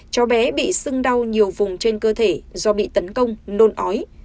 cháu bé bị sưng đau nhiều vùng trên cơ thể do bị tấn công nôn ói